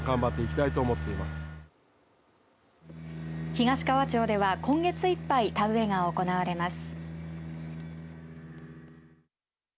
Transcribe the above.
東川町では今月いっぱい田植えが行われます。